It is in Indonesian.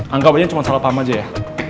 anggap aja cuma salah pam aja ya